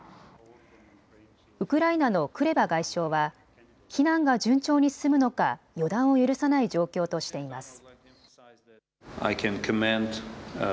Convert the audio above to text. ウクライナのクレバ外相は避難が順調に進むのか予断を許さない状況としています。